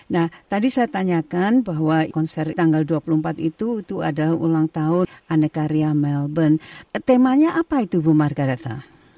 nah tadi saya tanyakan bahwa konser tanggal dua puluh empat itu adalah ulang tahun aneka ria melbourne temanya apa itu bu margaretha